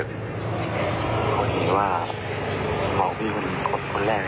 ถูกนึกว่าหม่อพี่คนคลบคนแรกเลยนะ